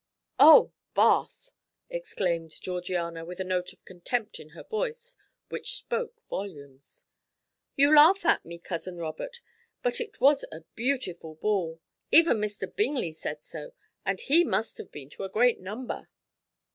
"Oh Bath!" exclaimed Georgiana, with a note of contempt in her voice which spoke volumes. "You laugh at me, Cousin Robert, but it was a beautiful ball. Even Mr. Bingley said so, and he must have been to a great number."